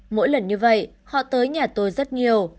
mỗi lần như vậy họ tới nhà tôi rất nhiều